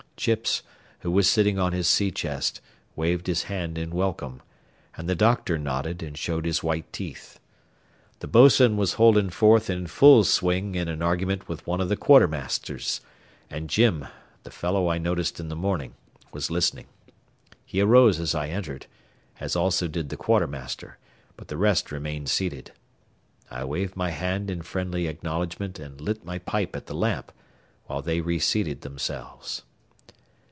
Chips, who was sitting on his sea chest, waved his hand in welcome, and the "doctor" nodded and showed his white teeth. The bos'n was holding forth in full swing in an argument with one of the quartermasters, and Jim, the fellow I noticed in the morning, was listening. He arose as I entered, as also did the quartermaster, but the rest remained seated. I waved my hand in friendly acknowledgment and lit my pipe at the lamp, while they reseated themselves.